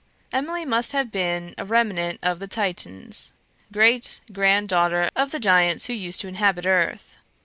Emily must have been a remnant of the Titans, great grand daughter of the giants who used to inhabit earth.